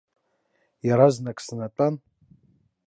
Иаразнак снатәан.